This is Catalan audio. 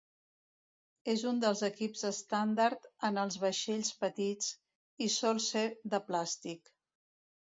És un dels equips estàndard en els vaixells petits, i sol ser de plàstic.